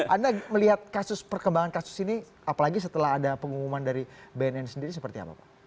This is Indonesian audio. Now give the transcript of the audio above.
anda melihat kasus perkembangan kasus ini apalagi setelah ada pengumuman dari bnn sendiri seperti apa pak